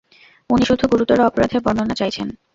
উনি শুধু গুরুতর অপরাধের বর্ণনা চায়ছেন।